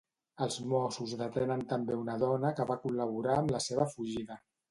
Els Mossos detenen també una dona que va col·laborar amb la seva fugida.